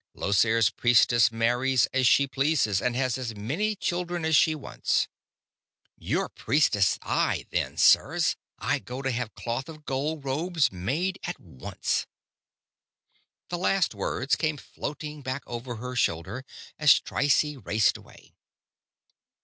Llosir's priestess marries as she pleases and has as many children as she wants." "Your priestess I, then, sirs! I go to have cloth of gold robes made at once!" The last words came floating back over her shoulder as Trycie raced away.